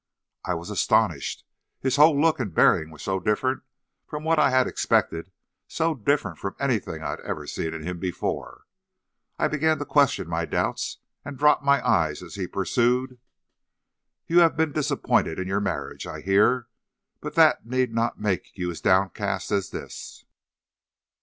"I was astonished. His whole look and bearing were so different from what I had expected, so different from anything I had ever seen in him before. I began to question my doubts, and dropped my eyes as he pursued: "'You have been disappointed in your marriage, I hear; but that need not make you as downcast as this.